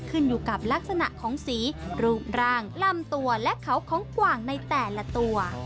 ขึ้นอยู่กับลักษณะของสีรูปร่างลำตัวและเขาของกว่างในแต่ละตัว